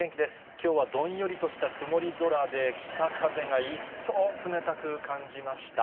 きょうはどんよりとした曇り空で、北風が一層冷たく感じました。